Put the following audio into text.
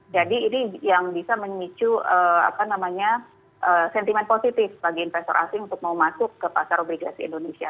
jadi ini yang bisa mengicu apa namanya sentiment positif bagi investor asing untuk mau masuk ke pasar obligasi indonesia